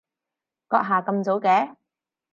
閣下咁早嘅？